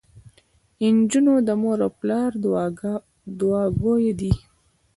انجونو د مور او پلار دوعاګويه دي.